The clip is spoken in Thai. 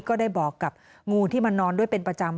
ก็ได้บอกกับงูที่มานอนด้วยเป็นประจำ